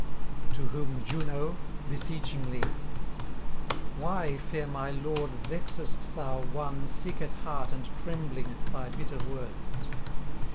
To whom Juno beseechingly: 'Why, fair my lord, vexest thou one sick at heart and trembling at thy bitter words?